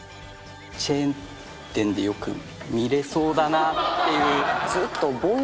チェーン店でよく見れそうだなっていう。